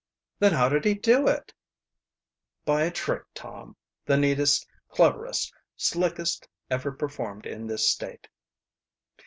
"Then how did he do it?" "By a trick, Tom the neatest, cleverest, slickest ever performed in this State."